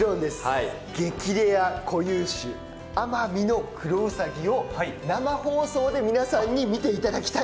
激レア固有種のアマミノクロウサギを生放送で皆さんに見ていただきたい！